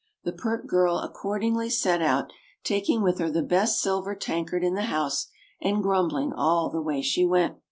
The pert girl accordingly set out, taking with her the best silver tankard in the house, and grumbling all the way she went.